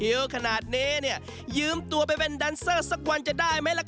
เยอะขนาดนี้เนี่ยยืมตัวไปเป็นแดนเซอร์สักวันจะได้ไหมล่ะครับ